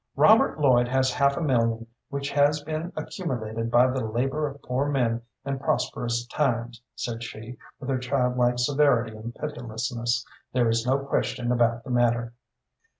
"Robert Lloyd has half a million, which has been accumulated by the labor of poor men in prosperous times," said she, with her childlike severity and pitilessness. "There is no question about the matter."